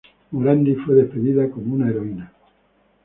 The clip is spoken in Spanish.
Morandi fue despedida como una heroína.